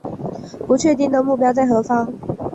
不确定的目标在何方